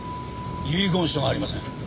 遺言書がありません。